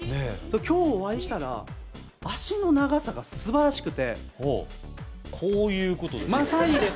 今日お会いしたら脚の長さがすばらしくてこういうことまさにです